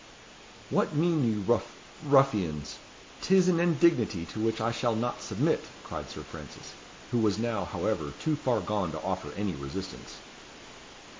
"What mean you, ruff ruffians? 'Tis an indignity to which I shall not submit," cried Sir Francis, who was now, however, too far gone to offer any resistance.